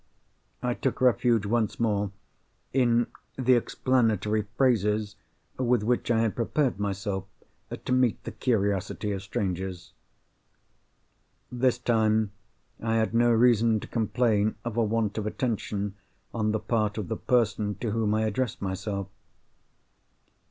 I took refuge once more in the explanatory phrases with which I had prepared myself to meet the curiosity of strangers. This time I had no reason to complain of a want of attention on the part of the person to whom I addressed myself.